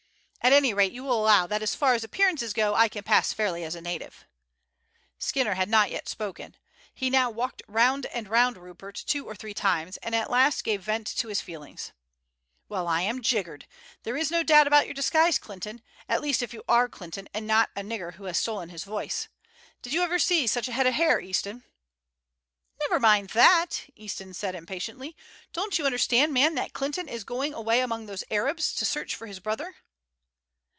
At any rate you will allow that as far as appearances go I can pass fairly as a native." Skinner had not yet spoken. He now walked round and round Rupert two or three times, and at last gave vent to his feelings: "Well, I am jiggered! There is no doubt about your disguise, Clinton, at least if you are Clinton and not a nigger who has stolen his voice. Did you ever see such a head of hair, Easton?" "Never mind that," Easton said impatiently; "don't you understand, man, that Clinton is going away among those Arabs to search for his brother?"